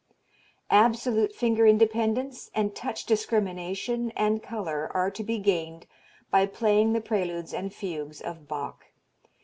Absolute finger independence and touch discrimination and color are to be gained by playing the preludes and fugues of Bach.